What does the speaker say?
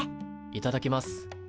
いただきます。